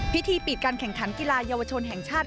พิธีปิดการแข่งขันกีฬาเยาวชนแห่งชาติ